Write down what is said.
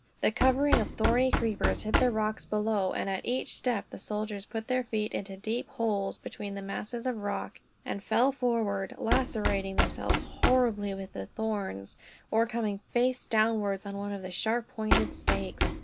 The covering of thorny creepers hid the rocks below; and at each step the soldiers put their feet into deep holes between the masses of rock, and fell forward, lacerating themselves horribly with the thorns, or coming face downwards on one of the sharp pointed stakes.